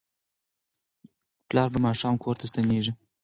پلار به ماښام کور ته ستنیږي.